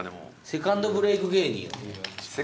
セカンドブレイク芸人？